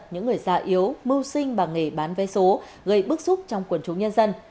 những người già yếu mưu sinh bằng nghề bán vé số gây bức xúc trong quần chúng nhân dân